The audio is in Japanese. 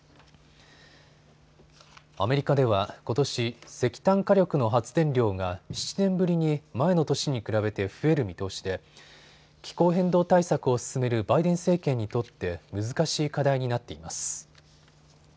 アメリカではことし石炭火力の発電量が７年ぶりに前の年に比べて増える見通しで気候変動対策を進めるバイデン政権にとって難しい課題になっています。